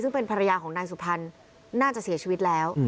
ซึ่งเป็นภรรยาของนายสุพรรณน่าจะเสียชีวิตแล้ว